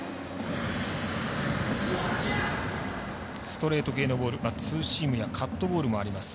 ストレート系のボールツーシームやカットボールもあります。